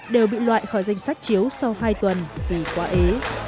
đều bị loại khỏi danh sách chiếu sau hai tuần vì quá ế